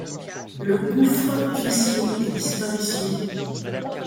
Le gouffre, vision et disparition